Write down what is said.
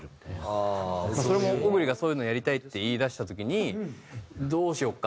それもＯｇｕｒｉがそういうのをやりたいって言いだした時にどうしようかってなって。